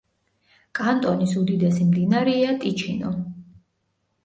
კანტონის უდიდესი მდინარეა ტიჩინო.